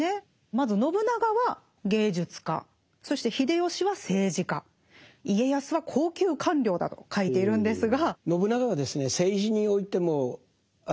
まず信長は芸術家そして秀吉は政治家家康は高級官僚だと書いているんですが。